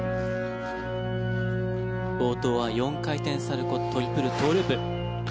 冒頭は４回転サルコウトリプルトウループ。